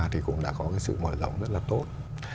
thì cũng đã có cái sự mở rộng rất là tốt